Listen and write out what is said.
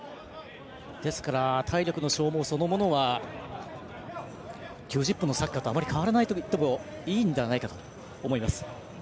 ですから、体力の消耗そのものは９０分のサッカーとあまり変わらないといってもいいのではないかと思います。